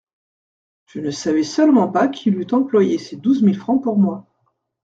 Je ne savais seulement pas qu'il eût employé ces douze mille francs pour moi.